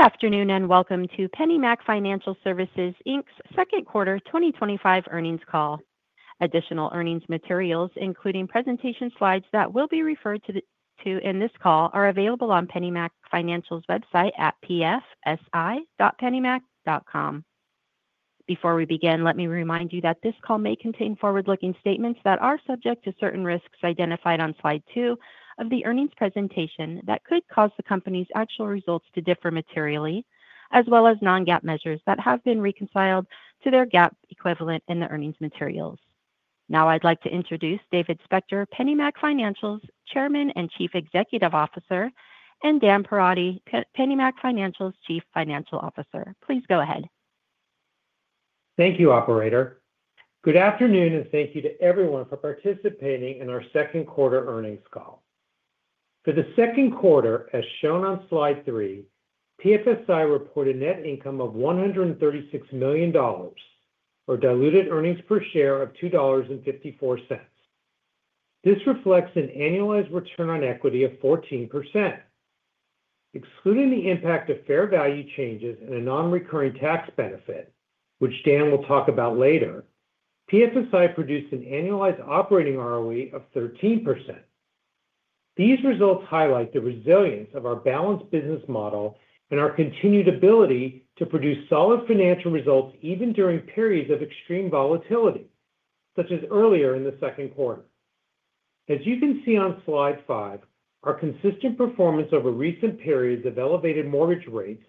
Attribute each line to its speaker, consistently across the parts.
Speaker 1: Good afternoon and welcome to PennyMac Financial Services, Inc.'s Second Quarter 2025 Earnings Call. Additional earnings materials, including presentation slides that will be referred to in this call, are available on PennyMac Financial's website at pfsi.pennymac.com. Before we begin, let me remind you that this call may contain forward-looking statements that are subject to certain risks identified on slide 2 of the earnings presentation that could cause the Company's actual results to differ materially, as well as non-GAAP measures that have been reconciled to their GAAP equivalent in the earnings materials. Now I'd like to introduce David Spector, PennyMac Financial's Chairman and Chief Executive Officer, and Daniel Perotti, PennyMac Financial's Chief Financial Officer. Please go ahead.
Speaker 2: Thank you, Operator. Good afternoon, and thank you to everyone for participating in our Second Quarter earnings call for the Second Quarter. As shown on Slide 3, PFSI. reported net income of $136 million, or diluted earnings per share of $2.54. This reflects an annualized return on equity of 14% excluding the impact of fair value changes and a non-recurring tax benefit, which Dan will talk about later. PFSI. produced an annualized operating ROE of 13%. These results highlight the resilience of our balanced business model and our continued ability to produce solid financial results even during periods of extreme volatility, such as earlier in the Second Quarter. As you can see on Slide 5, our consistent performance over recent periods of elevated mortgage rates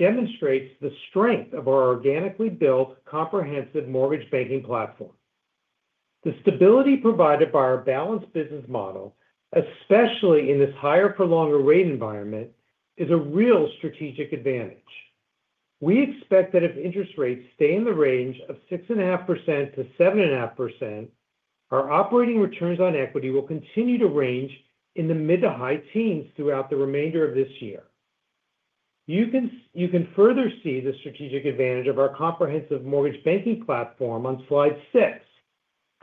Speaker 2: demonstrates the strength of our organically built comprehensive mortgage banking platform. The stability provided by our balanced business model, especially in this higher, prolonged rate environment, is a real strategic advantage. We expect that if interest rates stay in the range of 6.5% to 7.5%, our operating returns on equity will continue to range in the mid to high teens throughout the remainder of this year. You can further see the strategic advantage of our comprehensive mortgage banking platform on Slide 6,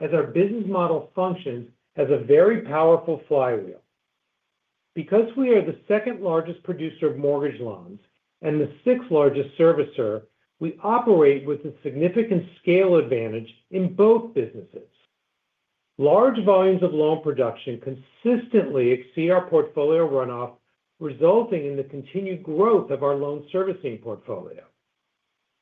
Speaker 2: as our business model functions as a very powerful flywheel. Because we are the second largest producer of mortgage loans and the sixth largest servicer, we operate with a significant scale advantage in both businesses. Large volumes of loan production consistently exceed our portfolio runoff, resulting in the continued growth of our loan servicing portfolio.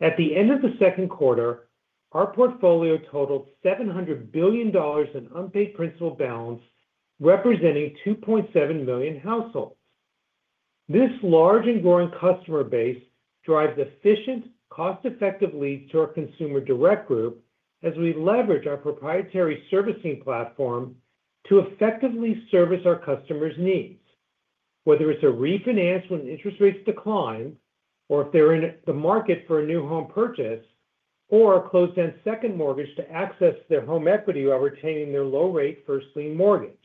Speaker 2: At the end of the Second Quarter, our portfolio totaled $700 billion in unpaid principal balance, representing 2.7 million households. This large and growing customer base drives efficient, cost-effective leads to our Consumer Direct group as we leverage our proprietary servicing platform to effectively service our customers' needs. Whether it's a refinance when interest rates decline, or if they're in the market for a new home purchase, or a closed-end second mortgage to access their home equity while retaining their low-rate first lien mortgage.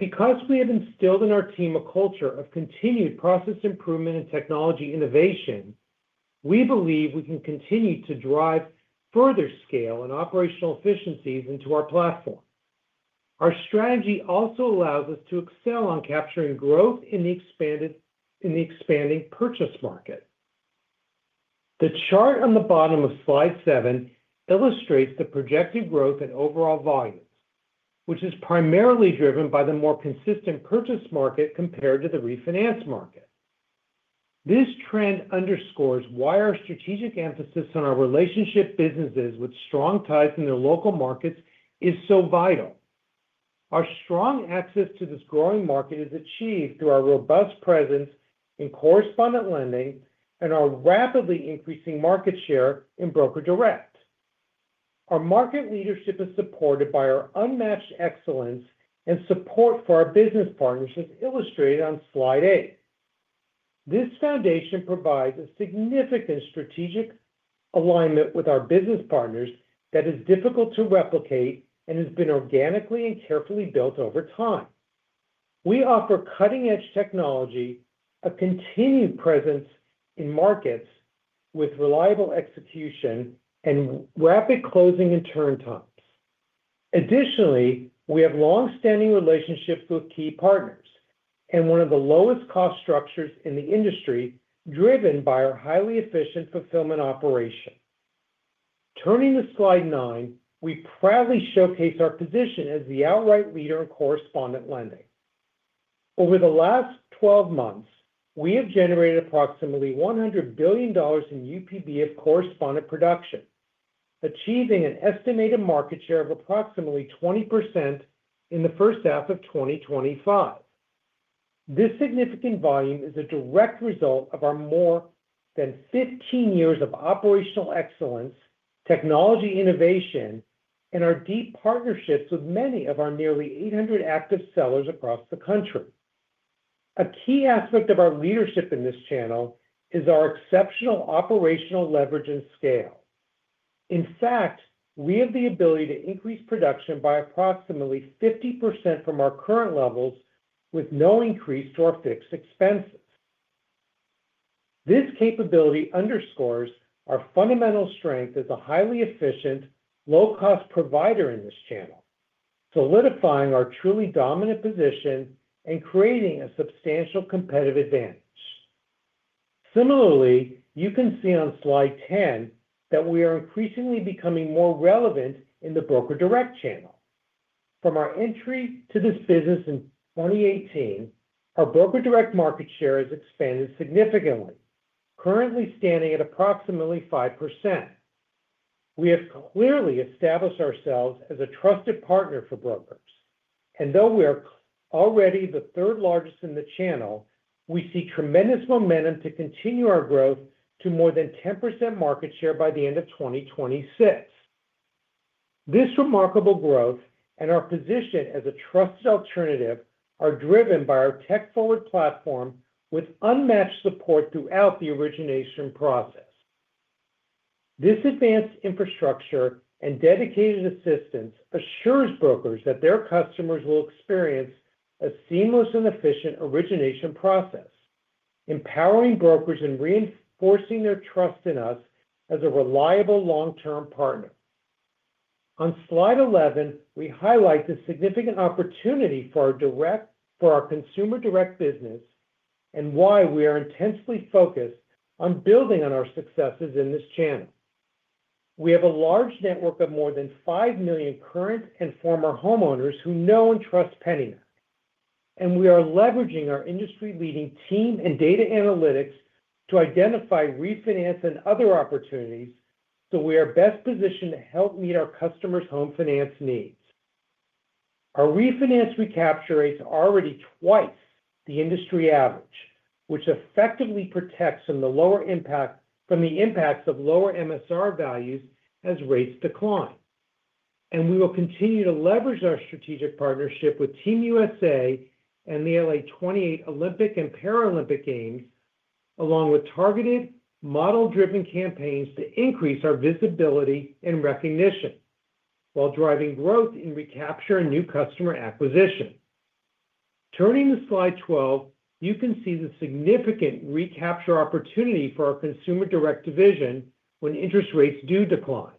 Speaker 2: Because we have instilled in our team a culture of continued process improvement and technology innovation, we believe we can continue to drive further scale and operational efficiencies into our platform. Our strategy also allows us to excel on capturing growth in the expanding purchase market. The chart on the bottom of slide 7 illustrates the projected growth in overall volumes, which is primarily driven by the more consistent purchase market compared to the refinance market. This trend underscores why our strategic emphasis on our relationship businesses with strong ties in their local markets is so vital. Our strong access to this growing market is achieved through our robust presence in correspondent lending and our rapidly increasing market share in Broker Direct. Our market leadership is supported by our unmatched excellence and support for our business partners, as illustrated on slide 8. This foundation provides a significant strategic alignment with our business partners that is difficult to replicate and has been organically and carefully built over time. We offer cutting-edge technology, a continued presence in markets with reliable execution, and rapid closing and turn times. Additionally, we have long-standing relationships with key partners and one of the lowest cost structures in the industry, driven by our highly efficient fulfillment operation. Turning to slide 9, we proudly showcase our position as the outright leader in correspondent lending. Over the last 12 months, we have generated approximately $100 billion in UPB of correspondent production, achieving an estimated market share of approximately 20% in the first half of 2025. This significant volume is a direct result of our more than 15 years of operational excellence, technology innovation, and our deep partnerships with many of our nearly 800 active sellers across the country. A key aspect of our leadership in this channel is our exceptional operational leverage and scale. In fact, we have the ability to increase production by approximately 50% from our current levels with no increase to our fixed expenses. This capability underscores our fundamental strength as a highly efficient, low-cost provider in this channel, solidifying our truly dominant position and creating a substantial competitive advantage. Similarly, you can see on slide 10 that we are increasingly becoming more relevant in the Broker Direct channel. From our entry to this business in 2018, our Broker Direct market share has expanded significantly, currently standing at approximately 5%. We have clearly established ourselves as a trusted partner for brokers, and though we are already the third largest in the channel, we see tremendous momentum to continue our growth to more than 10% market share by the end of 2026. This remarkable growth and our position as a trusted alternative are driven by our tech-forward platform with unmatched support throughout the origination process. This advanced infrastructure and dedicated assistance assure brokers that their customers will experience a seamless and efficient origination process, empowering brokers and reinforcing their trust in us as a reliable long-term partner. On slide 11, we highlight the significant opportunity for our Consumer Direct division and why we are intensely focused on building on our successes in this channel. We have a large network of more than 5 million current and former homeowners who know and trust PennyMac, and we are leveraging our industry-leading team and data analytics to identify refinance and other opportunities so we are best positioned to help meet our customers' home finance needs. Our refinance recapture rates are already twice the industry average, which effectively protects from the impacts of lower MSR values as rates decline, and we will continue to leverage our strategic partnership with Team USA and the LA28 Olympic and Paralympic Games along with targeted model-driven campaigns to increase our visibility and recognition while driving growth in recapture and new customer acquisition. Turning to slide 12, you can see the significant recapture opportunity for our Consumer Direct division when interest rates do decline.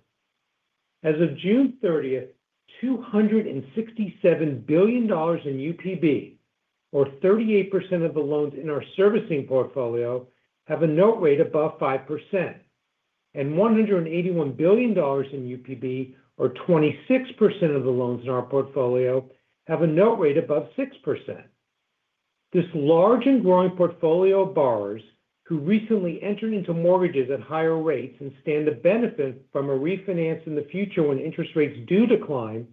Speaker 2: As of June 30, $267 billion in UPB, or 38% of the loans in our servicing portfolio, have a note rate above 5%, and $181 billion in UPB, or 26% of the loans in our portfolio, have a note rate above 6%. This large and growing portfolio of borrowers who recently entered into mortgages at higher rates and stand to benefit from a refinance in the future when interest rates do decline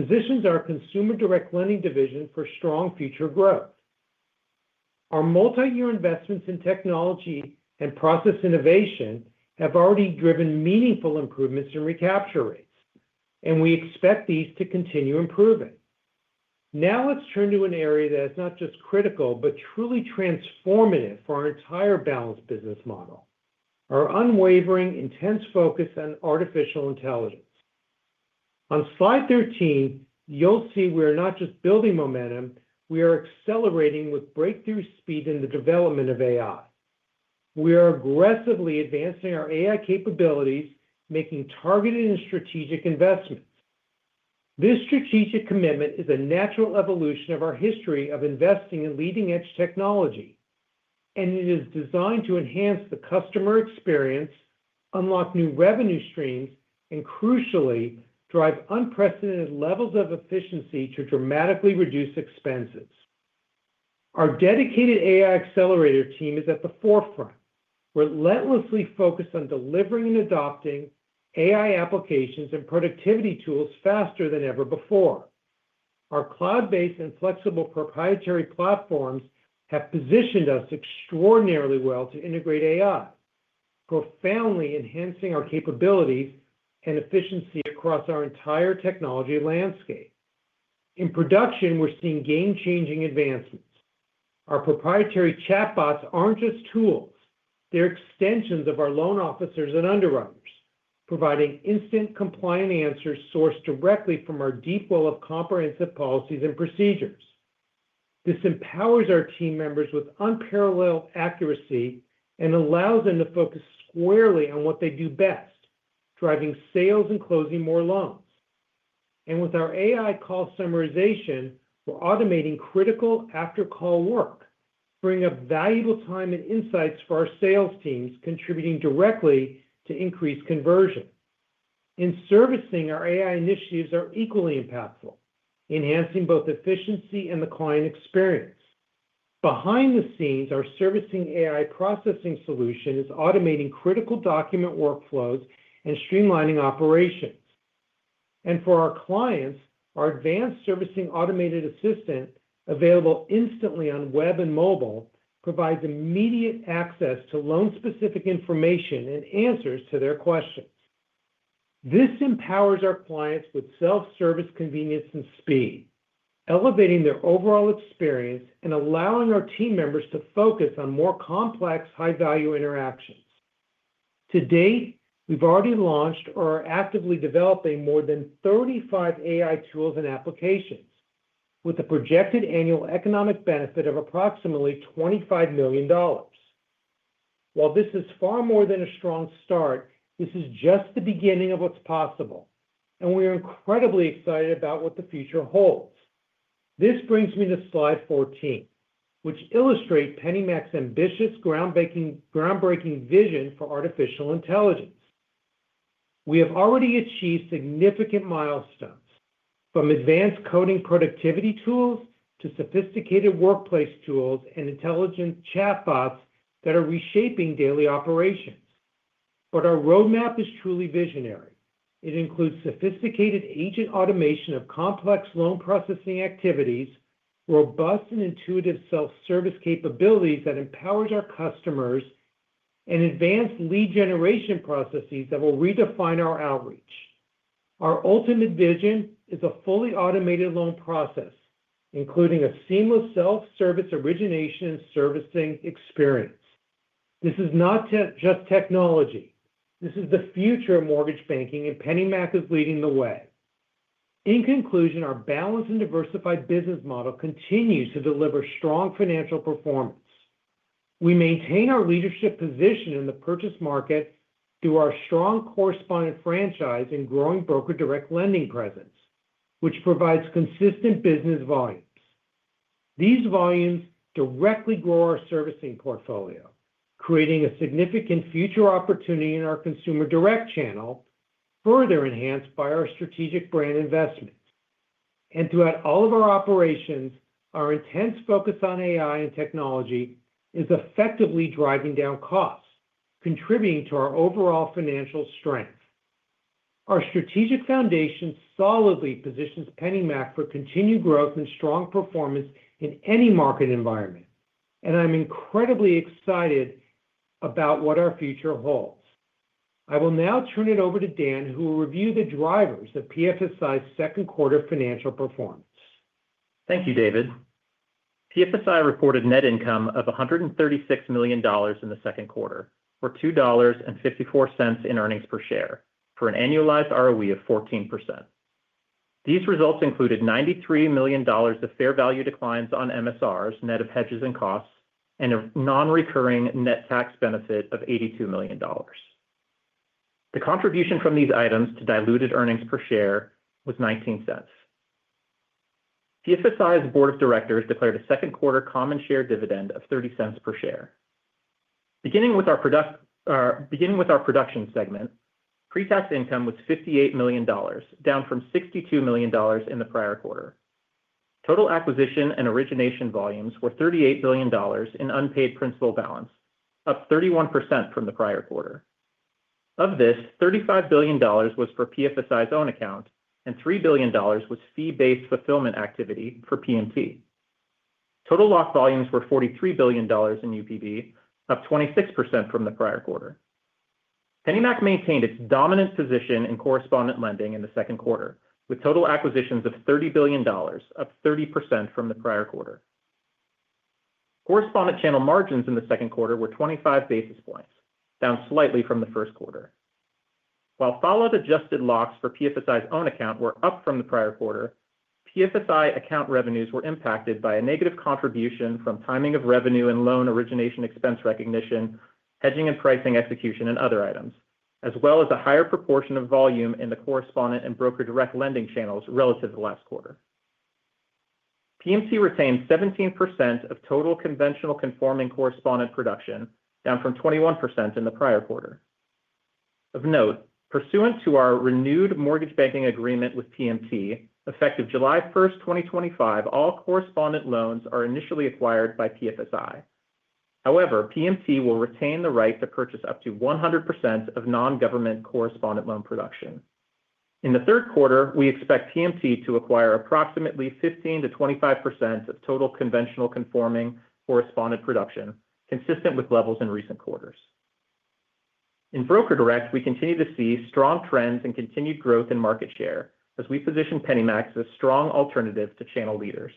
Speaker 2: positions our Consumer Direct Lending division for strong future growth. Our multi-year investments in technology and process innovation have already driven meaningful improvements in recapture rates, and we expect these to continue improving. Now let's turn to an area that is not just critical, but truly transformative for our entire balanced business model: our unwavering, intense focus on artificial intelligence. On slide 13 you'll see we are not just building momentum, we are accelerating with breakthrough speed in the development of AI. We are aggressively advancing our AI capabilities, making targeted and strategic investments. This strategic commitment is a natural evolution of our history of investing in leading edge technology, and it is designed to enhance the customer experience, unlock new revenue streams, and crucially drive unprecedented levels of efficiency to dramatically reduce expenses. Our dedicated AI accelerator team is at the forefront, relentlessly focused on delivering and adopting AI applications and productivity tools faster than ever before. Our cloud-based and flexible proprietary platforms have positioned us extraordinarily well to integrate AI, profoundly enhancing our capabilities and efficiency across our entire technology landscape. In production, we're seeing game-changing advancements. Our proprietary chatbots aren't just tools, they're extensions of our loan officers and underwriters, providing instant, compliant answers sourced directly from our deep well of comprehensive policies and procedures. This empowers our team members with unparalleled accuracy and allows them to focus squarely on what they do best, driving sales and closing more loans. With our AI call summarization, we're automating critical after-call work, bringing up valuable time and insights for our sales teams, contributing directly to increased conversion. In servicing, our AI initiatives are equally impactful, enhancing both efficiency and the client experience. Behind the scenes, our servicing AI processing solution is automating critical document workflows and streamlining operations. For our clients, our advanced Servicing Automated Assistant, available instantly on web and mobile, provides immediate access to loan-specific information and answers to their questions. This empowers our clients with self-service, convenience, and speed, elevating their overall experience and allowing our team members to focus on more complex, high-value interactions. To date, we've already launched or are actively developing more than 35 AI tools and applications with a projected annual economic benefit of approximately $25 million. While this is far more than a strong start, this is just the beginning of what's possible, and we are incredibly excited about what the future holds. This brings me to slide 14, which illustrates PennyMac's ambitious, groundbreaking vision for artificial intelligence. We have already achieved significant milestones, from advanced coding productivity tools to sophisticated workplace tools and intelligent chatbots that are reshaping daily operations. Our roadmap is truly visionary. It includes sophisticated agent automation of complex loan processing activities, robust and intuitive self-service capabilities that empower our customers, and advanced lead generation processes that will redefine our outreach. Our ultimate vision is a fully automated loan process, including a seamless self-service origination and servicing experience. This is not just technology, this is the future of mortgage banking, and PennyMac is leading the way. In conclusion, our balanced and diversified business model continues to deliver strong financial performance. We maintain our leadership position in the purchase market through our strong correspondent franchise and growing Broker Direct lending presence, which provides consistent business volumes. These volumes directly grow our servicing portfolio, creating a significant future opportunity in our Consumer Direct channel, further enhanced by our strategic brand investment. Throughout all of our operations, our intense focus on AI and technology is effectively driving down costs, contributing to our overall financial strength. Our strategic foundation solidly positions PennyMac for continued growth and strong performance in any market environment, and I'm incredibly excited about what our future holds. I will now turn it over to Dan, who will review the drivers of PFSI's Second Quarter financial performance.
Speaker 3: Thank you David, PFSI reported net income of $136 million in the Second Quarter, or $2.54 in earnings per share, for an annualized ROE of 14%. These results included $93 million of fair value declines on MSRs, net of hedges and costs, and a non-recurring net tax benefit of $82 million. The contribution from these items to diluted earnings per share was $0.19. PFSI's board of directors declared a Second Quarter common share dividend of $0.30 per share. Beginning with our production segment, pre-tax income was $58 million, down from $62 million in the prior quarter. Total acquisition and origination volumes were $38 billion in unpaid principal balance, up 31% from the prior quarter. Of this, $35 billion was for PFSI's own account and $3 billion was fee-based fulfillment activity for PennyMac Mortgage Investment Trust (PMT). Total lock volumes were $43 billion in UPB, up 26% from the prior quarter. PennyMac maintained its dominant position in correspondent lending in the Second Quarter with total acquisitions of $30 billion, up 30% from the prior quarter. Correspondent channel margins in the Second Quarter were 25 basis points, down slightly from the first quarter, while funded adjusted locks for PFSI's own account were up from the prior quarter. PFSI account revenues were impacted by a negative contribution from timing of revenue and loan origination, expense recognition, hedging and pricing, execution and other items, as well as a higher proportion of volume in the correspondent and Broker Direct lending channels. Relative to last quarter, PMT retained 17% of total conventional conforming correspondent production, down from 21% in the prior quarter. Of note, pursuant to our renewed mortgage banking agreement with PMT, effective July 1, 2025, all correspondent loans are initially acquired by PFSI. However, PMT will retain the right to purchase up to 100% of non-government correspondent loan production. In the Third Quarter, we expect PMT to acquire approximately 15% to 25% of total conventional conforming correspondent production, consistent with levels in recent quarters. In Broker Direct, we continue to see strong trends and continued growth in market share as we position PennyMac as a strong alternative to channel leaders.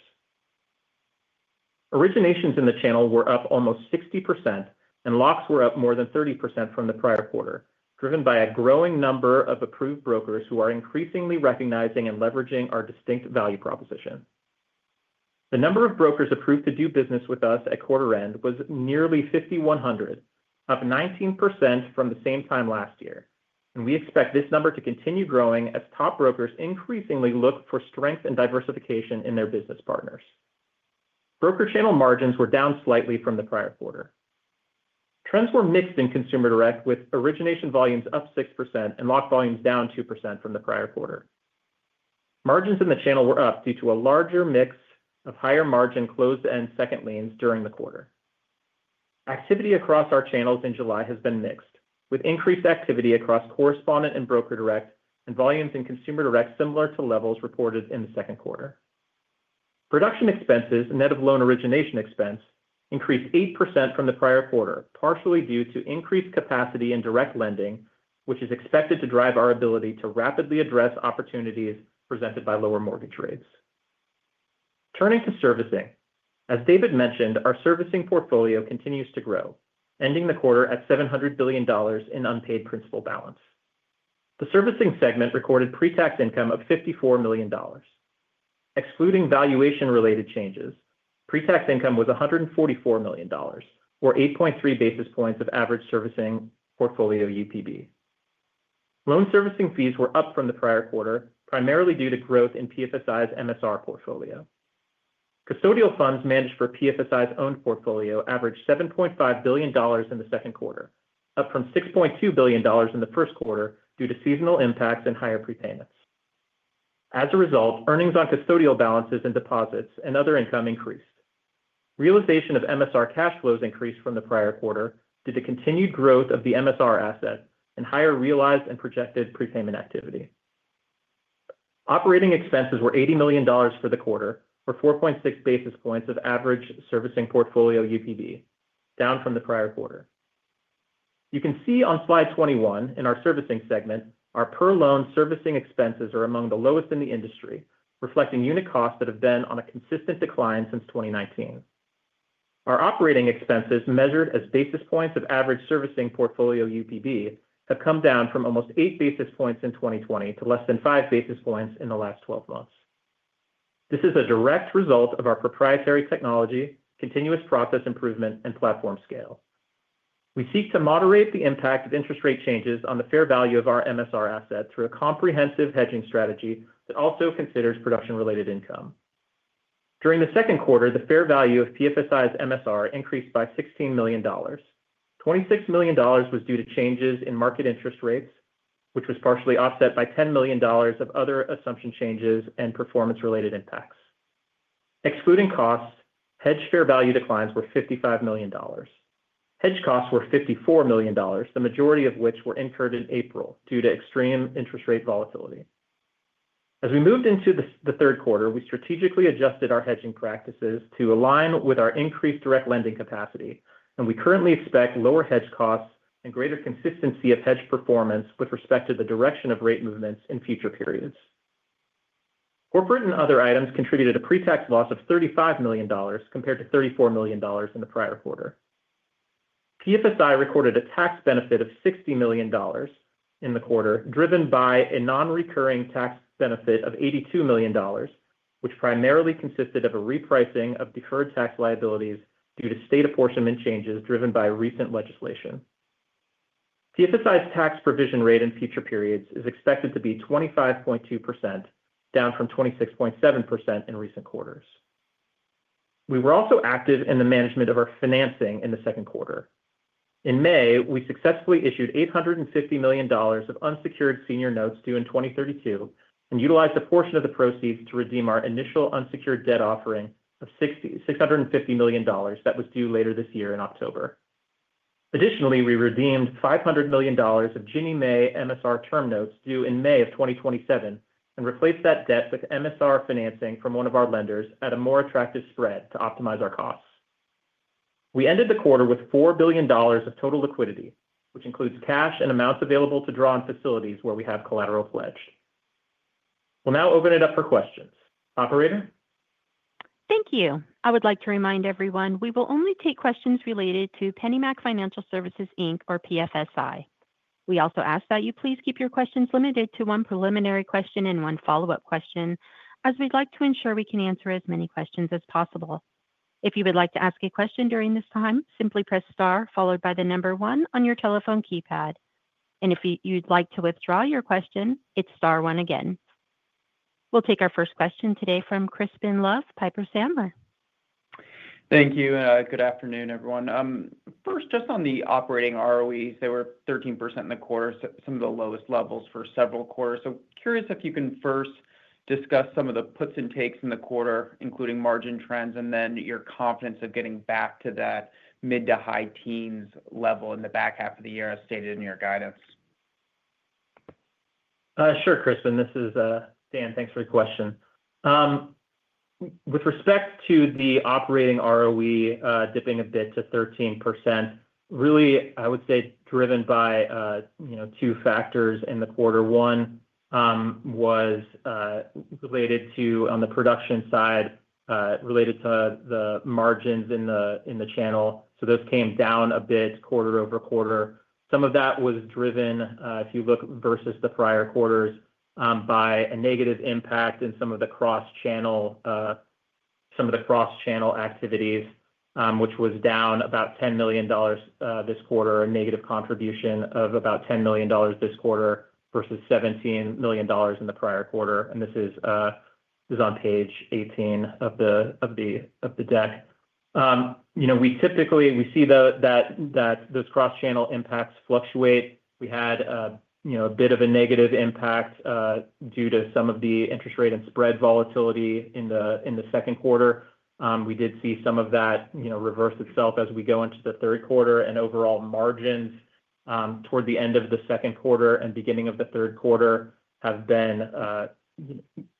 Speaker 3: Originations in the channel were up almost 60% and locks were up more than 30% from the prior quarter, driven by a growing number of approved brokers who are increasingly recognizing and leveraging our distinct value proposition. The number of brokers approved to do business with us at quarter end was nearly 5,100, up 19% from the same time last year, and we expect this number to continue growing as top brokers increasingly look for strength and diversification in their business partners. Broker channel margins were down slightly from the prior quarter. Trends were mixed in Consumer Direct with origination volumes up 6% and locked volumes down 2% from the prior quarter. Margins in the channel were up due to a larger mix of higher margin closed end second liens during the quarter. Activity across our channels in July has been mixed, with increased activity across correspondent lending and Broker Direct, and volumes in Consumer Direct similar to levels reported in the Second Quarter. Production expenses net of loan origination expense increased 8% from the prior quarter, partially due to increased capacity and direct lending, which is expected to drive our ability to rapidly address opportunities presented by lower mortgage rates. Turning to Servicing, as David Spector mentioned, our servicing portfolio continues to grow, ending the quarter at $700 billion in unpaid principal balance. The servicing segment recorded Pre-Tax income of $54 million excluding valuation related changes. Pre-tax income was $144 million, or 8.3 basis points of average servicing portfolio UPB. Loan servicing fees were up from the prior quarter primarily due to growth in PFSI's MSR portfolio. Custodial funds managed for PFSI's own portfolio averaged $7.5 billion in the Second Quarter, up from $6.2 billion in the first quarter due to seasonal impacts and higher prepayments. As a result, earnings on custodial balances and deposits and other income increased. Realization of MSR cash flows increased from the prior quarter due to continued growth of the MSR asset and higher realized and projected prepayment activity. Operating expenses were $80 million for the quarter, or 4.6 basis points of average servicing portfolio UPB, down from the prior quarter you can see on slide 21. In our servicing segment, our per loan servicing expenses are among the lowest in the industry, reflecting unit costs that have been on a consistent decline since 2019. Our operating expenses measured as basis points of average servicing portfolio UPB have come down from almost 8 basis points in 2020 to less than 5 basis points in the last 12 months. This is a direct result of our proprietary technology, continuous process improvement, and platform scale. We seek to moderate the impact of interest rate changes on the fair value of our MSR asset through a comprehensive hedging strategy that also considers production related income. During the Second Quarter, the fair value of PFSI's MSR increased by $16 million. $26 million was due to changes in market interest rates, which was partially offset by $10 million of other assumption changes and performance related impacts. Excluding costs, hedge fair value declines were $55 million. Hedge costs were $54 million, the majority of which were incurred in April due to extreme interest rate volatility. As we moved into the Third Quarter, we strategically adjusted our hedging practices to align with our increased direct lending capacity, and we currently expect lower hedge costs and greater consistency of hedge performance with respect to the direction of rate movements in future periods. Corporate and other items contributed a pre-tax loss of $35 million compared to $34 million in the prior quarter. PFSI recorded a tax benefit of $60 million in the quarter, driven by a non-recurring tax benefit of $82 million, which primarily consisted of a repricing of deferred tax liabilities due to state apportionment changes driven by recent legislation. PFSI's tax provision rate in future periods is expected to be 25.2%, down from 26.7% in recent quarters. We were also active in the management of our financing in the Second Quarter. In May, we successfully issued $850 million of unsecured senior notes due in 2032 and utilized a portion of the proceeds to redeem our initial unsecured debt offering of $650 million that was due later this year in October. Additionally, we redeemed $500 million of Ginnie Mae MSR Term Notes due in May of 2027 and replaced that debt with MSR financing from one of our lenders at a more attractive spread to optimize our costs. We ended the quarter with $4 billion of total liquidity, which includes cash and amounts available to draw on facilities where we have collateral pledged. We'll now open it up for questions. Operator.
Speaker 1: thank you. I would like to remind everyone we will only take questions related to PennyMac Financial Services, Inc. or PFSI. We also ask that you please keep your questions limited to one preliminary question and one follow-up question, as we'd like to ensure we can answer as many questions as possible. If you would like to ask a question during this time, simply press Star followed by the number one on your telephone keypad. If you'd like to withdraw your question, it's Star one again. We'll take our first question today from Crispin Love, Piper Sandler.
Speaker 4: Thank you. Good afternoon everyone. First, just on the operating ROEs, they were 13% in the quarter, some of the lowest levels for several quarters. Curious if you can first discuss some of the puts and takes in the quarter including margin trends and then your confidence of getting back to that mid to high teens level in the back half of the year as stated in your guidance.
Speaker 3: Sure. Crispin, this is Dan, thanks for the question. With respect to the operating ROE dipping a bit to 13%, really I would say driven by two factors in the quarter. One was related to, on the production side, related to the margins in the channel. Those came down a bit quarter over quarter. Some of that was driven, if you look versus the prior quarters, by a negative impact in some of the cross channel activities, which was down about $10 million this quarter. A negative contribution of about $10 million this quarter versus $17 million in the prior quarter. This is on page 18 of the deck. We typically see that those cross channel impacts fluctuate. We had a bit of a negative impact due to some of the interest rate and spread volatility in the Second Quarter. We did see some of that reverse itself as we go into the Third Quarter, and overall margins toward the end of the Second Quarter and beginning of the Third Quarter have been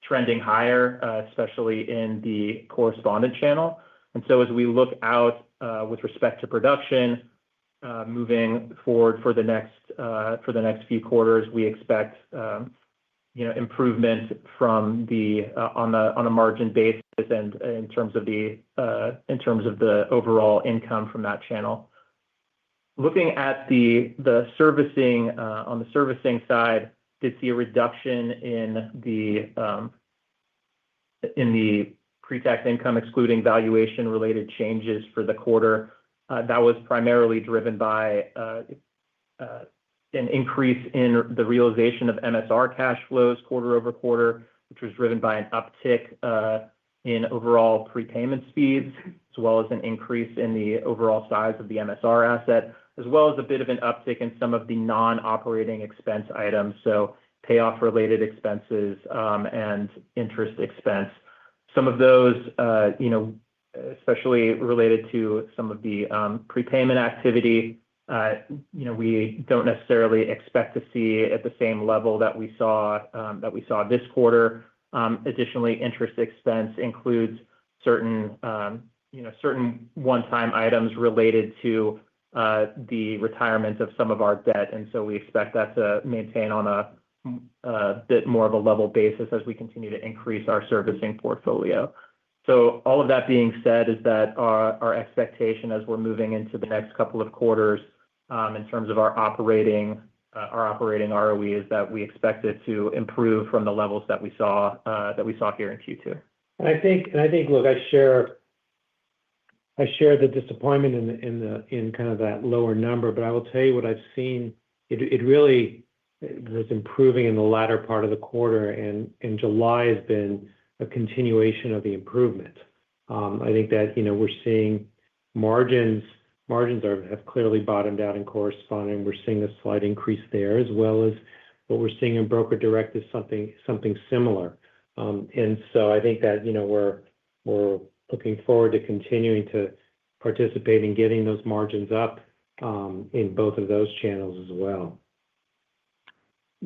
Speaker 3: trending higher, especially in the correspondent channel. As we look out with respect to production moving forward for the next few quarters, we expect improvement on a margin basis and in terms of the overall income from that channel. Looking at the servicing side, did see a reduction in the pre-tax income excluding valuation related changes for the quarter. That was primarily driven by an increase in the realization of MSR cash flows quarter over quarter, which was driven by an uptick in overall prepayment speeds as well as an increase in the overall size of the MSR asset, as well as a bit of an uptick in some of the non-operating expense items, so payoff related expenses and interest expense. Some of those, especially related to some of the prepayment activity, we don't necessarily expect to see at the same level that we saw this quarter. Additionally, interest expense includes certain one-time items related to the retirement of some of our debt. We expect that to maintain on a bit more of a level basis as we continue to increase our servicing portfolio. All of that being said is that our expectation as we're moving into the next couple of quarters in terms of our operating ROE is that we expect it to improve from the levels that we saw here in Q2.
Speaker 2: I share the disappointment in kind of that lower number. I will tell you what I've seen. It really was improving in the latter part of the quarter, and in July has been a continuation of the improvement. I think that we're seeing margins have clearly bottomed out in correspondent. We're seeing a slight increase there, as well as what we're seeing in Broker Direct is something similar. I think that, you know. We're looking forward to continuing to participate in getting those margins up in both of those channels as well.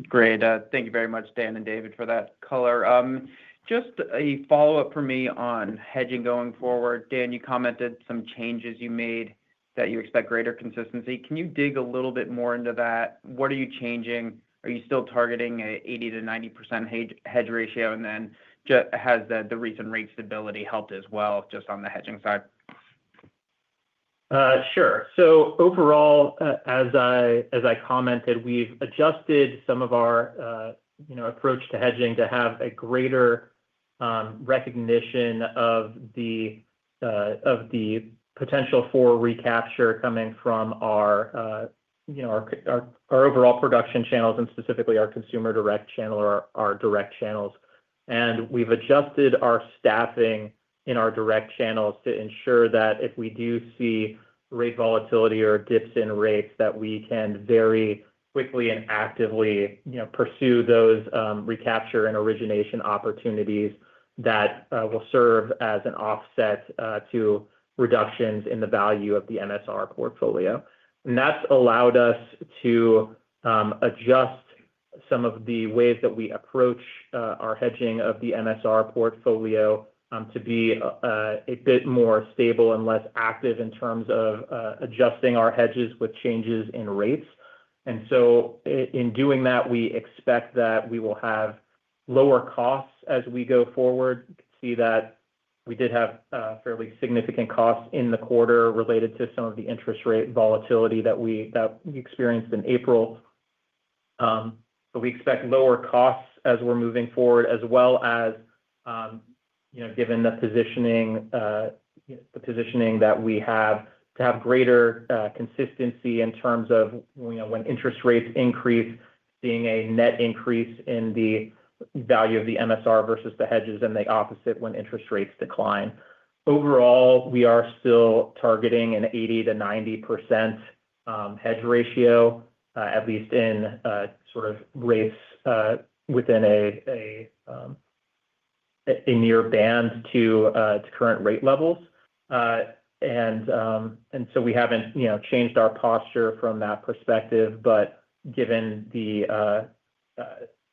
Speaker 4: Great. Thank you very much, Dan and David, for that color. Just a follow-up for me on hedging going forward. Dan, you commented on some changes you made that you expect greater consistency. Can you dig a little bit more into that? What are you changing? Are you still targeting 80 to 90% hedge ratio? Has the recent rate stability helped as well, just on the hedging side?
Speaker 3: Sure. Overall, as I commented, we've adjusted some of our approach to hedging to have a greater recognition of the potential for recapture coming from our overall production channels and specifically our Consumer Direct division or our direct channels. We've adjusted our staffing in our direct channels to ensure that if we do see rate volatility or dips in rates, we can very quickly and actively pursue those recapture and origination opportunities that will serve as an offset to reductions in the value of the MSR portfolio. That's allowed us to adjust some of the ways that we approach our hedging of the MSR portfolio to be a bit more stable and less active in terms of adjusting our hedges with changes in rates. In doing that, we expect that we will have lower costs as we go forward. We did have fairly significant costs in the quarter related to some of the interest rate volatility that we experienced in April, but we expect lower costs as we're moving forward as well. Given the positioning that we have to have greater consistency in terms of when interest rates increase, seeing a net increase in the value of the MSR versus the hedges, and the opposite when interest rates decline. Overall, we are still targeting an 80 to 90% hedge ratio, at least in sort of rates within a near band to current rate levels. We haven't changed our posture from that perspective. Given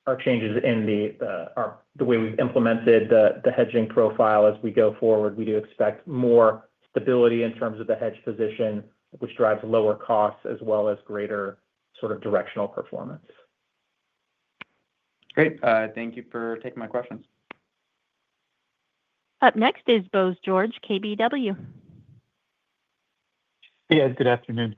Speaker 3: our changes in the way we've implemented the hedging profile as we go forward, we do expect more stability in terms of the hedge position, which drives lower costs as well as greater directional performance.
Speaker 4: Great, thank you for taking my questions.
Speaker 1: Up next is Bose George, KBW.
Speaker 5: Yeah, good afternoon.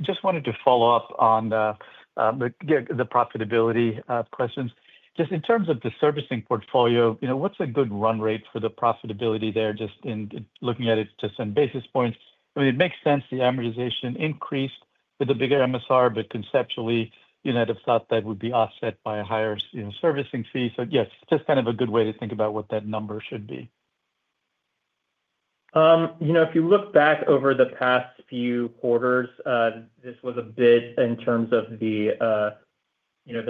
Speaker 5: Just wanted to follow up on the profitability questions. Just in terms of the servicing portfolio, you know, what's a good run rate for the profitability there? Just in looking at it to send basis points, I mean it makes sense. The amortization increased with the bigger MSR, but conceptually you might have thought that would be offset by a higher servicing fee. Yes, just kind of a good way to think about what that number should be.
Speaker 3: You know, if you look back over the past few quarters, this was a bit in terms of the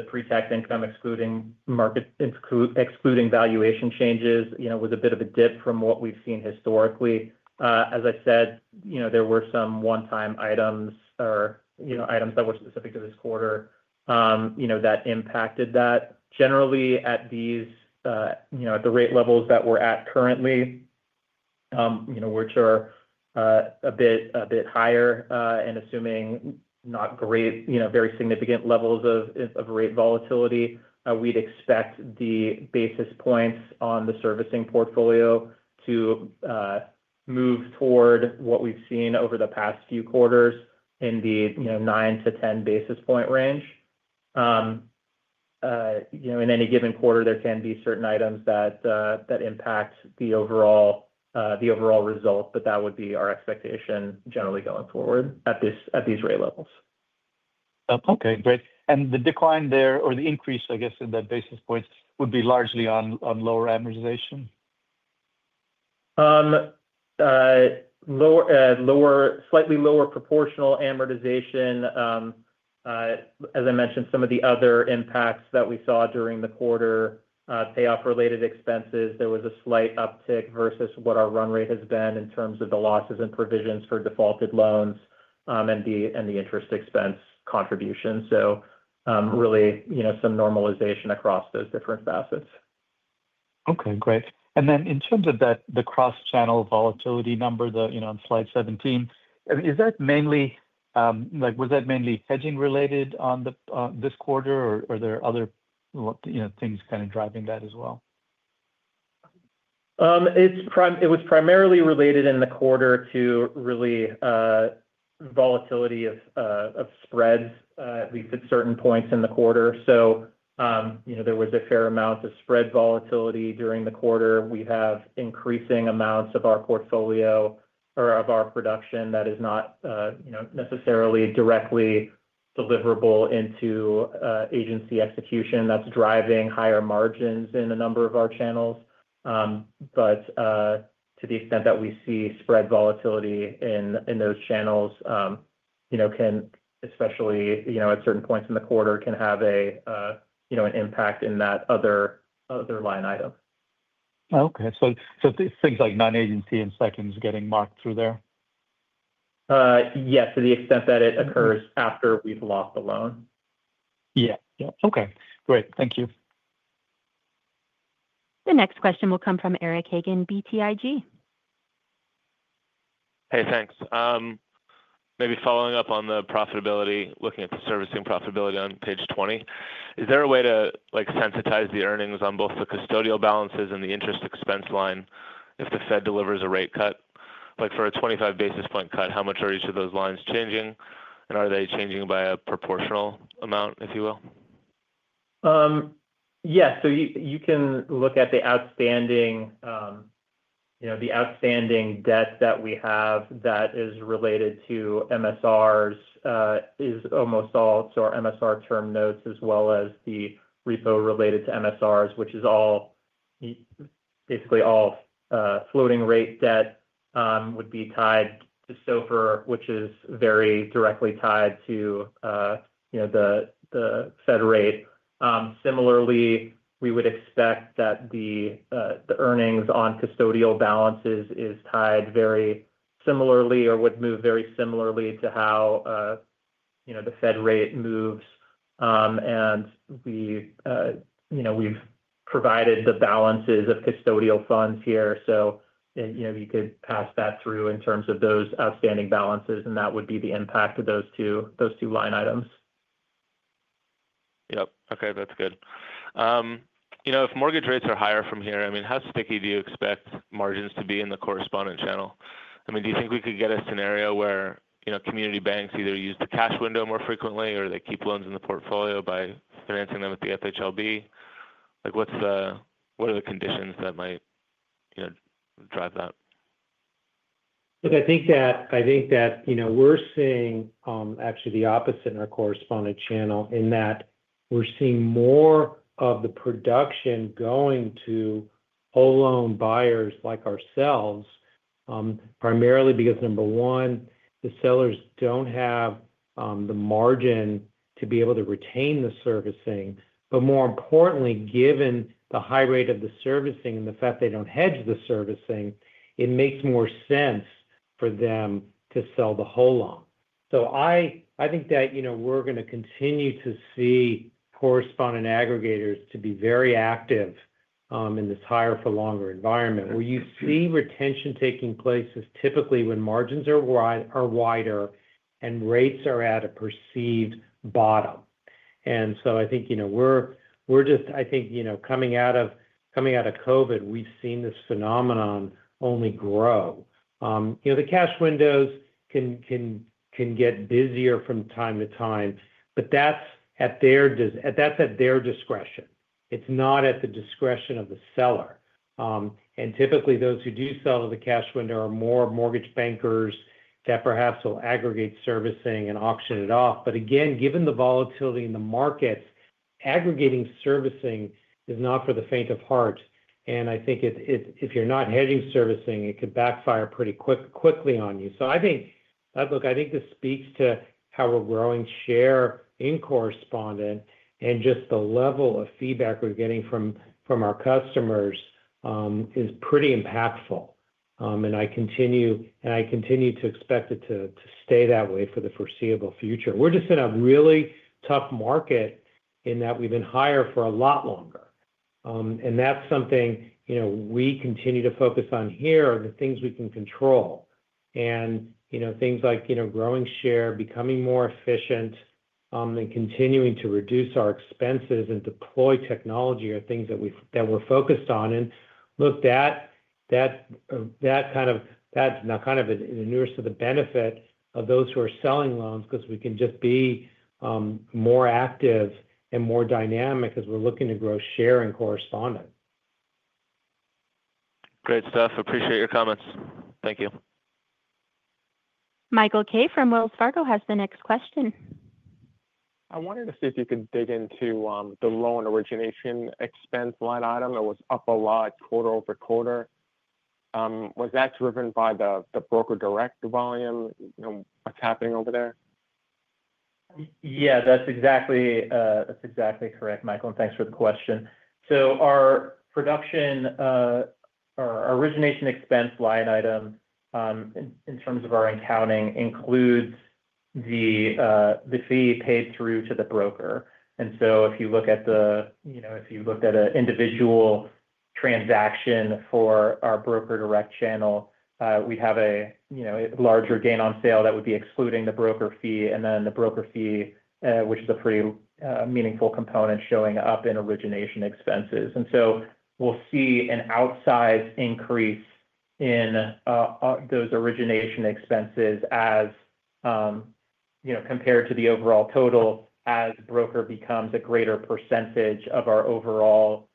Speaker 3: pre-tax income excluding market, excluding valuation changes, you know, was a bit of a dip from what we've seen historically. As I said, you know, there were some one-time items or items that were specific to this quarter that impacted that. Generally, at these rate levels that we're at currently, which are a bit higher, and assuming not great, very significant levels of rate volatility, we'd expect the basis points on the servicing portfolio to move toward what we've seen over the past few quarters in the nine to ten basis point range. In any given quarter there can be certain items that impact the overall result. That would be our expectation generally going forward at these rate levels. Okay, great. The decline there or the increase, I guess, in that basis points would be largely on lower amortization. Lower, slightly lower proportional amortization. As I mentioned, some of the other impacts that we saw during the quarter, payoff related expenses. There was a slight uptick versus what our run rate has been in terms of the losses and provisions for defaulted loans and the interest expense contribution. Really, some normalization across those different facets.
Speaker 5: Okay, great. In terms of that, the cross channel volatility number, on slide 17, is that mainly like, was that mainly hedging related this quarter or are there other things kind of driving that as well?
Speaker 3: It was primarily related in the quarter to volatility of spreads, at least at certain points in the quarter. There was a fair amount of spread volatility during the quarter. We have increasing amounts of our portfolio or of our production that is not necessarily directly deliverable into agency execution, that's driving higher margins in a number of our channels. To the extent that we see spread volatility in those channels, especially at certain points in the quarter, it can have an impact in that other line item.
Speaker 5: Things like non-agency and seconds getting marked through there.
Speaker 3: Yes, to the extent that it occurs after we've lost the loan. Yeah.
Speaker 5: Okay, great.
Speaker 3: Thank you.
Speaker 1: The next question will come from Eric Hagen, BTIG.
Speaker 6: Hey, thanks. Maybe following up on the profitability, looking at the servicing profitability on page 20, is there a way to sensitize the earnings on both the custodial balances and the interest expense line? If the Fed delivers a rate cut, like for a 25 basis point cut, how much are each of those lines changing and are they changing by a proportional amount, if you will?
Speaker 3: Yes. You can look at the outstanding debt that we have that is related to MSRs is almost all MSR term notes as well as the repo related to MSRs, which is all, basically all floating rate debt would be tied to SOFR, which is very directly tied to the Fed rate. Similarly, we would expect that the earnings on custodial balances is tied very similarly or would move very similarly to how the FED rate moves. We have provided the balances of custodial funds here. You could pass that through in terms of those outstanding balances and that would be the impact of those two line items.
Speaker 6: Okay, that's good. If mortgage rates are higher from here, how sticky do you expect margins to be in the correspondent channel? Do you think we could get a scenario where community banks either use the cash window more frequently or they keep loans in the portfolio by financing them at the FHLB? What are the conditions that might drive that?
Speaker 2: I think that, you know, we're seeing actually the opposite in our correspondent channel in that we're seeing more of the production going to whole loan buyers like ourselves, primarily because, number one, the sellers don't have the margin to be able to retain the servicing. More importantly, given the high rate of the servicing and the fact they don't hedge the servicing, it makes more sense for them to sell the whole loan. I think that, you know, we're going to continue to see correspondent aggregators be very active in this higher for longer environment. Where you see retention taking place is typically when margins are wider and rates are at a perceived bottom. I think, you know, we're just, I think you know, coming out of COVID, we've seen this phenomenon only grow. The cash windows can get busier from time to time, but that's at their discretion. It's not at the discretion of the seller. Typically, those who do sell to the cash window are more mortgage bankers that perhaps will aggregate servicing and auction it off. Given the volatility in the markets, aggregating servicing is not for the faint of heart. I think if you're not hedging servicing, it could backfire pretty quickly on you. I think this speaks to how we're growing share in correspondent and just the level of feedback we're getting from our customers is pretty impactful. I continue to expect it to stay that way for the foreseeable future. We're just in a really tough market in that we've been higher for a lot longer and that's something we continue to focus on here. The things we can control, things like growing share, becoming more efficient, and continuing to reduce our expenses and deploy technology are things that we're focused on. That kind of nurse to the benefit of those who are selling loans because we can just be more active and more dynamic as we're looking to grow share in correspondent.
Speaker 6: Great stuff. Appreciate your comments. Thank you.
Speaker 1: Michael K from Wells Fargo has the next question.
Speaker 7: I wanted to see if you could dig into the loan origination expense line item. It was up a lot quarter over quarter. Was that driven by the Broker Direct channel? Volume, what's happening over there?
Speaker 3: Yeah, that's exactly correct, Michael, and thanks for the question. Our production or origination expense line item in terms of our accounting includes the fee paid through to the broker. If you looked at an individual transaction for our Broker Direct channel, we'd have a larger gain on sale that would be excluding the broker fee, and then the broker fee, which is a pretty meaningful component, showing up in origination expenses. We'll see an outsized increase in those origination expenses compared to the overall total as broker becomes a greater percentage of our overall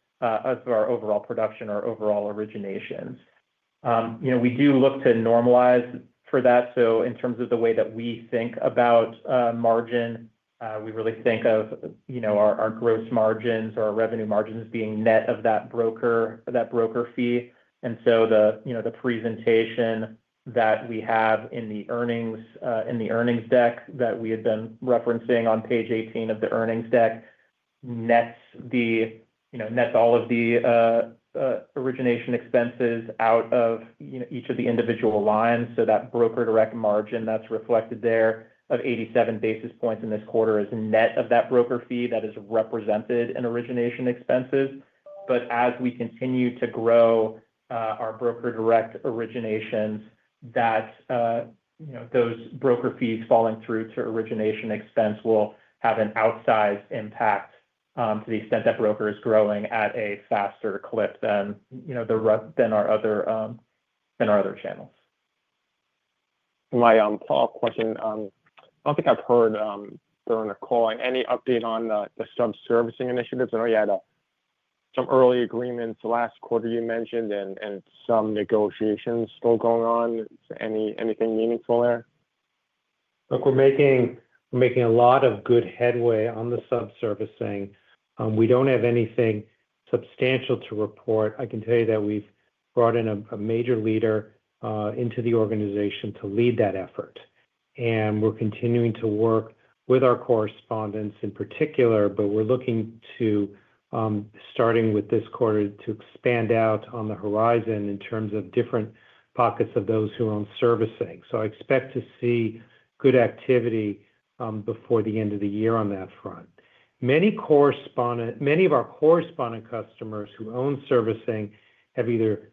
Speaker 3: production or overall originations. We do look to normalize for that. In terms of the way that we think about margin, we really think of our gross margins or revenue margins being net of that broker fee. The presentation that we have in the earnings deck that we had been referencing on page 18 of the earnings deck nets all of the origination expenses out of each of the individual lines. That Broker Direct margin that's reflected there of 87 basis points in this quarter is net of that broker fee that is represented in origination expenses. As we continue to grow our Broker Direct originations, those broker fees falling through to origination expense will have an outsized impact to the extent that broker is growing at a faster clip than our other channels.
Speaker 7: My follow up question, I don't think I've heard during the call. Any update on the subservicing initiatives? I know you had some early agreements last quarter you mentioned and some negotiations still going on. Anything meaningful there?
Speaker 2: Look, we're making a lot of good headway on the subservicing. We don't have anything substantial to report. I can tell you that we've brought in a major leader into the organization to lead that effort, and we're continuing to work with our correspondents in particular. We're looking to, starting with this quarter, expand out on the horizon in terms of different pockets of those who own servicing. I expect to see good activity before the end of the year on that front. Many of our correspondent customers who own servicing have either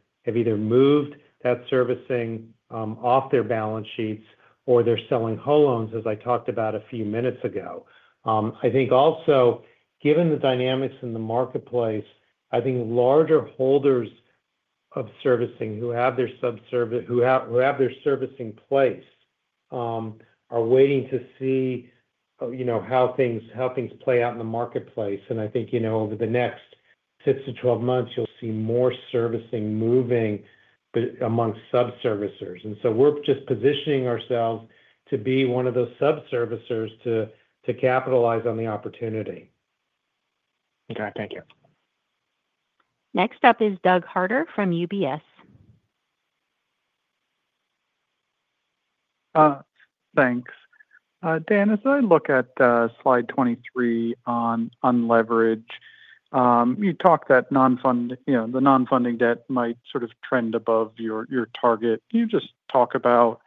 Speaker 2: moved that servicing off their balance sheets or they're selling whole loans. As I talked about a few minutes ago, I think also given the dynamics in the marketplace, larger holders of servicing who have their servicing in place are waiting to see how things play out in the marketplace. I think over the next six to twelve months you'll see more servicing moving amongst subservicers. We're just positioning ourselves to be one of those subservicers to capitalize on the opportunity.
Speaker 7: Okay, thank you.
Speaker 1: Next up is Doug Jones from UBS.
Speaker 8: Thanks, Dan. As I look at Slide 23 on unleveraged, you talk that non-funding debt might sort of trend above your target. Can you just talk about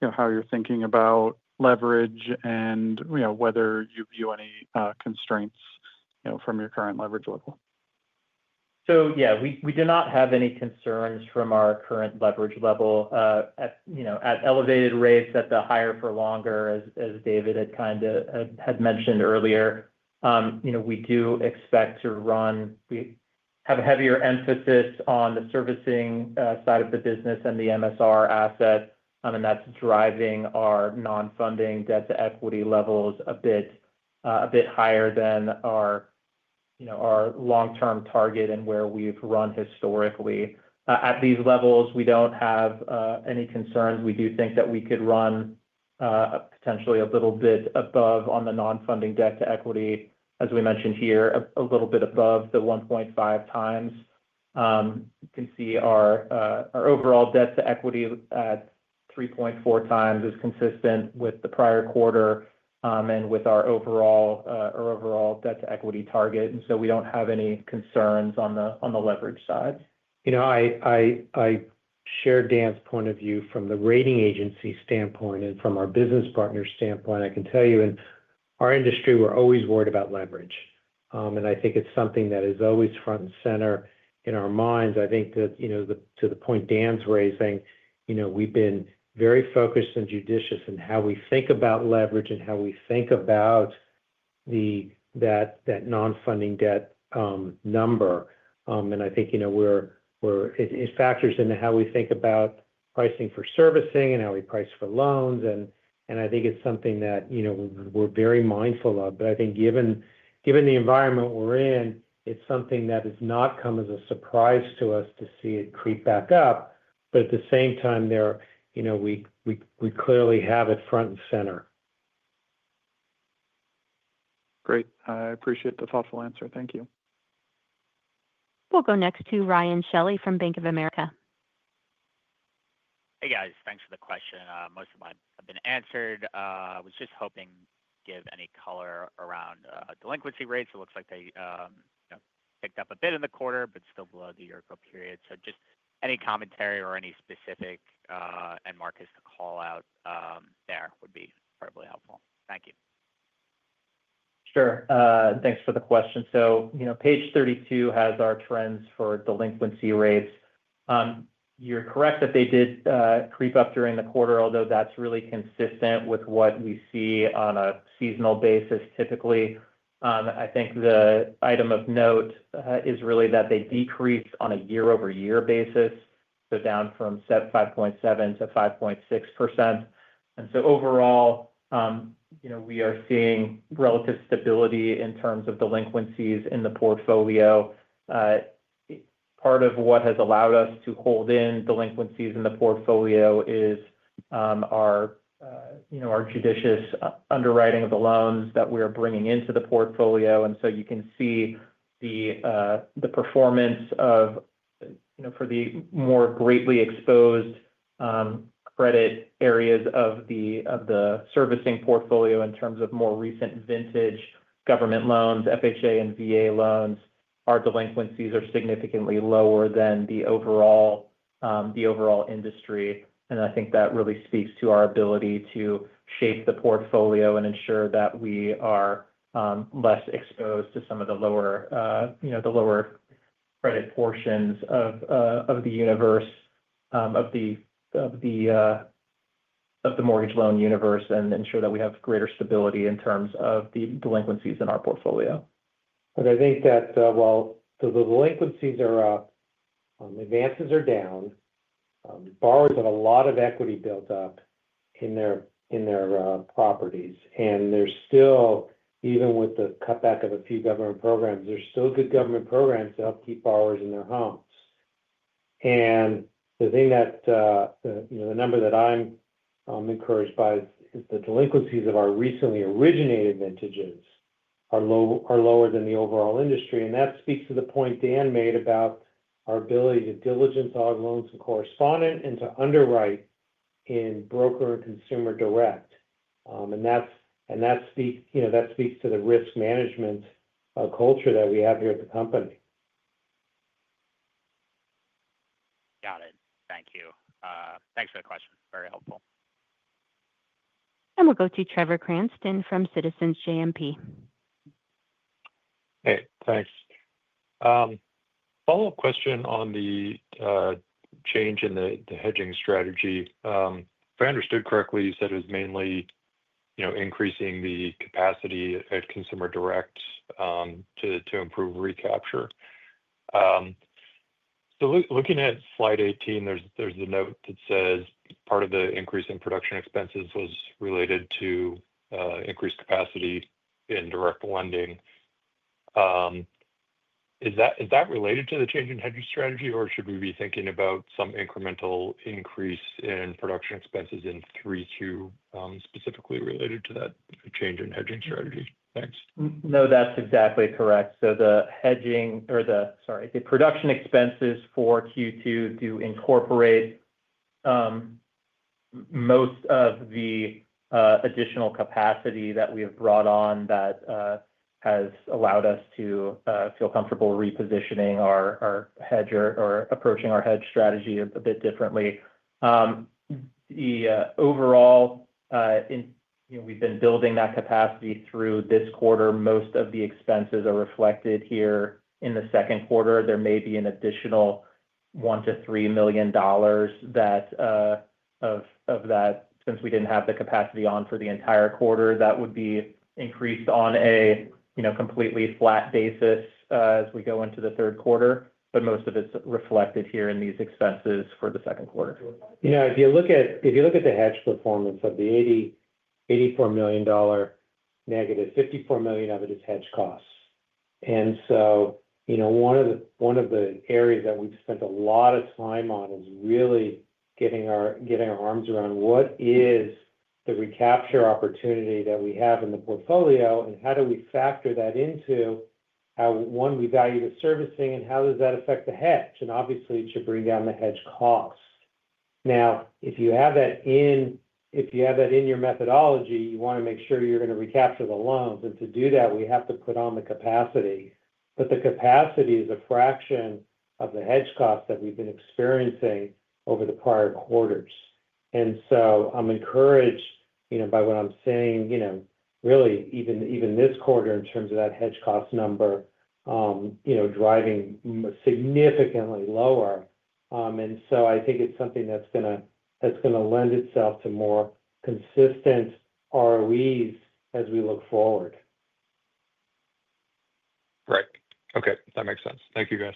Speaker 8: how you're thinking about leverage and whether you view any constraints from your current leverage level?
Speaker 3: Yeah, we do not have any concerns from our current leverage level at elevated rates at the higher for longer. As David had mentioned earlier, we do expect to run, we have a heavier emphasis on the servicing side of the business and the MSR asset, and that's driving our non-funding debt to equity levels a bit higher than our long-term target. Where we've run historically at these levels, we don't have any concerns. We do think that we could run potentially a little bit above on the non-funding debt to equity as we mentioned here, a little bit above the 1.5 times. You can see our overall debt to equity at 3.4 times is consistent with the prior quarter and with our overall debt to equity target. We don't have any concerns on the leverage side.
Speaker 2: You know, I share Dan's point of view from the rating agency standpoint and from our business partner standpoint. I can tell you in our industry we're always worried about leverage, and I think it's something that is always front and center in our minds. I think that, to the point Dan's raising, we've been very focused and judicious in how we think about leverage and how we think about that non-funding debt number. I think you know we're, we're. It factors into how we think about pricing for servicing and how we price for loans, and I think it's something that, you know, we're very mindful of. I think given the environment we're in, it's something that has not come as a surprise to us to see it creep back up. At the same time, we clearly have it front and center.
Speaker 8: Great. I appreciate the thoughtful answer.
Speaker 2: Thank you.
Speaker 1: We'll go next to Ryan Shelley from Bank of America.
Speaker 9: Hey guys, thanks for the question. Most of mine have been answered. I was just hoping to give any color around delinquency rates. It looks like they picked up a bit in the quarter, but still below the year ago period. Any commentary or any specific markets to call out there would be probably helpful. Thank you.
Speaker 3: Sure. Thanks for the question. Page 32 has our trends for delinquency rates. You're correct that they did creep up during the quarter, although that's really consistent with what we see on a seasonal basis typically. I think the item of note is really that they decrease on a year-over-year basis, down from 5.7% to 5.6%, and overall, we are seeing relative stability in terms of delinquencies in the portfolio. Part of what has allowed us to hold in delinquencies in the portfolio is our judicious underwriting of the loans that we are bringing into the portfolio. You can see the performance for the more greatly exposed credit areas of the servicing portfolio in terms of more recent vintage government loans, FHA and VA loans. Our delinquencies are significantly lower than the overall industry. I think that really speaks to our ability to shape the portfolio and ensure that we are less exposed to some of the lower credit portions of the mortgage loan universe and ensure that we have greater stability in terms of the delinquencies in our portfolio.
Speaker 2: I think that while the delinquencies are up, advances are down, borrowers have a lot of equity built up in their properties, and there's still, even with the cutback of a few government programs, good government programs to help keep borrowers in their homes. The number that I'm encouraged by is the delinquencies of our recently originated vintages are lower than the overall industry. That speaks to the point Dan made about our ability to diligence on loans in correspondent and to underwrite in Broker Direct and Consumer Direct. That speaks to the risk management culture that we have here at the company.
Speaker 9: Got it. Thank you. Thanks for the question, very helpful.
Speaker 1: We will go to Trevor Cranston from Citizens JMP.
Speaker 10: Hey, thanks. Follow up question on the change in the hedging strategy. If I understood correctly, you said it was mainly increasing the capacity at Consumer Direct to improve recapture. Looking at slide 18, there's a note that says part of the increase in production expenses was related to increased. Capacity in direct lending. Is that related to the change in hedging strategy, or should we? Be thinking about some incremental increase in. Production expenses in three, two specifically related. To that change in hedging strategy? Thanks.
Speaker 3: No, that's exactly correct. The hedging or the production expenses for Q2 do incorporate most of the additional capacity that we have brought on. That has allowed us to feel comfortable repositioning our hedge or approaching our hedge strategy a bit differently. Overall, we've been building that capacity through this quarter. Most of the expenses are reflected here in the Second Quarter. There may be an additional $1 to $3 million of that, since we didn't have the capacity on for the entire quarter, that would be increased on a completely flat basis as we go into the Third Quarter. Most of it's reflected here in these expenses for the Second Quarter.
Speaker 2: If you look at the hedge performance of the $84 million negative, $54 million of it is hedge costs. One of the areas that we've spent a lot of time on is really getting our arms around what is the recapture opportunity that we have in the portfolio and how do we factor that into how we value the servicing and how that affects the hedge. Obviously, it should bring down the hedge cost. Now, if you have that in your methodology, you want to make sure you're going to recapture the loans. To do that, we have to put on the capacity, but the capacity is a fraction of the hedge cost that we've been experiencing over the prior quarters. I'm encouraged by what I'm seeing, really, even this quarter in terms of that hedge cost number driving significantly lower. I think it's something that's going to lend itself to more consistent ROEs as we look forward.
Speaker 10: Right. Okay, that makes sense. Thank you, guys.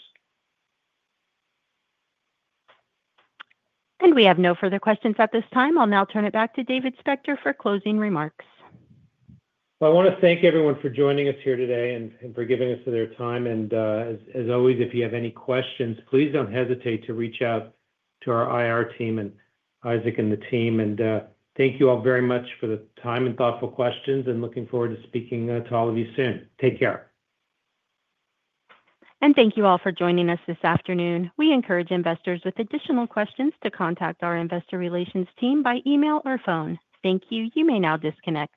Speaker 1: We have no further questions at this time. I'll now turn it back to David Spector for closing remarks.
Speaker 2: I want to thank everyone for joining us here today and for giving us their time. If you have any questions, please don't hesitate to reach out to our IR team and Isaac and the team. Thank you all very much for the time and thoughtful questions and looking forward to speaking to all of you soon. Take care.
Speaker 1: Thank you all for joining us this afternoon. We encourage investors with additional questions to contact our investor relations team by email or phone. Thank you. You may now disconnect.